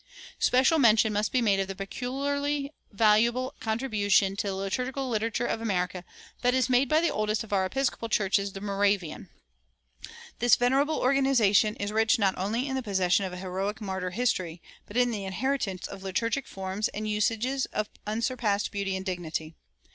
Special mention must be made of the peculiarly valuable contribution to the liturgical literature of America that is made by the oldest of our episcopal churches, the Moravian. This venerable organization is rich not only in the possession of a heroic martyr history, but in the inheritance of liturgic forms and usages of unsurpassed beauty and dignity.